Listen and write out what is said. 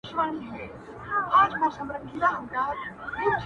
د حسینو نجونو ښار دی!! مست بازار دی سپين و تور ته!!